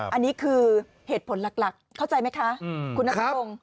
อันนี้คือเหตุผลหลักเข้าใจไหมคะคุณนัทพงศ์